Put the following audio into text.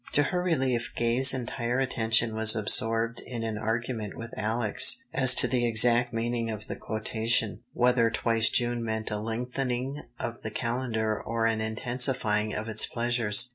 To her relief Gay's entire attention was absorbed in an argument with Alex as to the exact meaning of the quotation, whether twice June meant a lengthening of the calendar or an intensifying of its pleasures.